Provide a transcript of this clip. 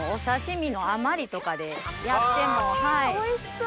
あおいしそう！